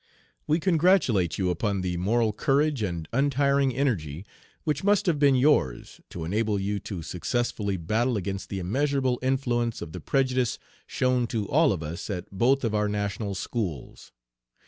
We congratulate you upon the moral courage and untiring energy which must have been yours, to enable you to successfully battle against the immeasurable influence of the prejudice shown to all of us at both of our national schools.